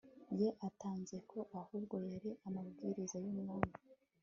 ye atanze, ko ahubwo ari amabwiriza y'umwami